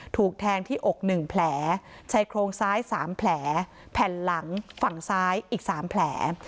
ถูกแทงที่อก๑แผลชายโครงซ้าย๓แผลแผ่นหลังฝั่งซ้ายอีก๓แผล